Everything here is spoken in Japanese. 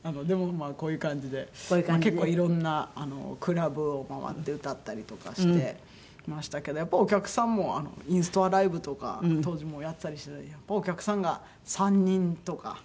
でもこういう感じで結構いろんなクラブを回って歌ったりとかしてましたけどやっぱお客さんもインストアライブとか当時もうやってたりしててお客さんが３人とか。